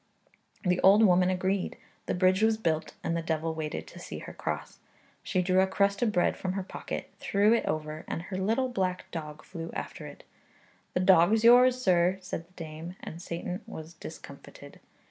The old woman agreed; the bridge was built; and the devil waited to see her cross. She drew a crust of bread from her pocket, threw it over, and her little black dog flew after it. 'The dog's yours, sir,' said the dame; and Satan was discomfited.